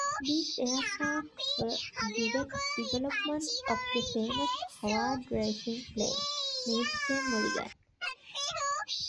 These aircraft were a direct developments of the famous Howard racing plane "Mister Mulligan".